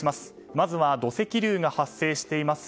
まずは土石流が発生しています